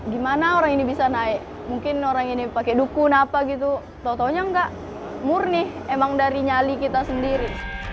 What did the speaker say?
gimana orang ini bisa naik mungkin orang ini pakai dukun apa gitu tau taunya nggak murni emang dari nyali kita sendiri